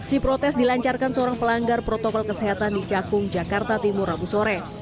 aksi protes dilancarkan seorang pelanggar protokol kesehatan di cakung jakarta timur rabu sore